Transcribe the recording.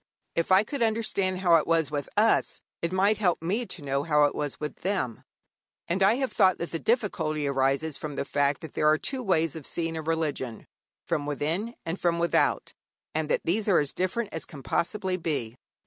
If I could understand how it was with us, it might help me to know how it was with them. And I have thought that the difficulty arises from the fact that there are two ways of seeing a religion from within and from without and that these are as different as can possibly be.